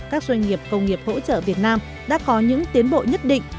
các doanh nghiệp công nghiệp hỗ trợ việt nam đã có những tiến bộ nhất định